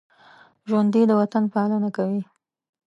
ژوندي د وطن پالنه کوي